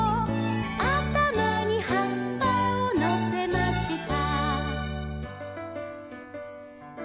「あたまにはっぱをのせました」